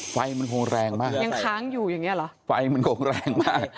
ไฟมันคงแรงมากเลยยังค้างอยู่อย่างเงี้เหรอไฟมันคงแรงมาก